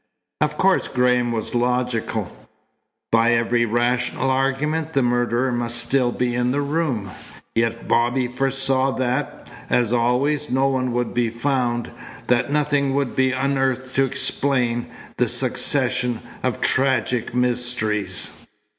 Of course Graham was logical. By every rational argument the murderer must still be in the room. Yet Bobby foresaw that, as always, no one would be found, that nothing would be unearthed to explain the succession of tragic mysteries.